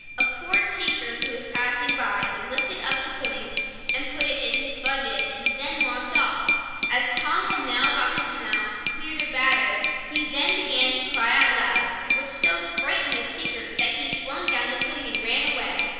A poor tinker, who was passing by, lifted up the pudding, put it in his bag, and walked off. As Tom had now got his mouth cleared of the batter, he began to cry aloud, which so frightened the tinker that he flung down the pudding and ran away.